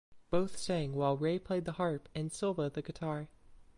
Both sang while Rey played the harp and Silva the guitar.